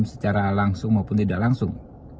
secara langsung maupun tidak langsung